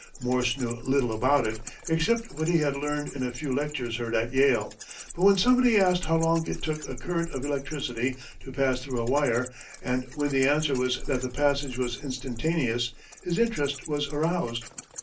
Morse knew little about it, except what he had learned in a few lectures heard at Yale; but when somebody asked how long it took a current of electricity to pass through a wire, and when the answer was that the passage was instantaneous, his interest was aroused.